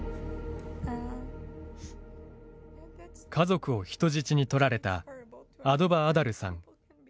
家族を人質に取られたアドバ・アダルさん。